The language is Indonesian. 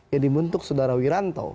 yang dibentuk saudara wiranto